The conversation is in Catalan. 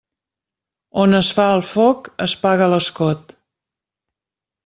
On es fa el foc es paga l'escot.